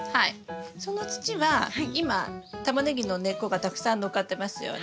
その土は今タマネギの根っこがたくさん載っかってますよね。